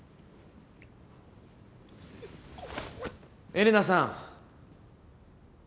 エレナさん！